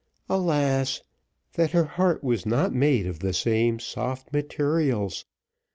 Alas! that her heart was not made of the same soft materials.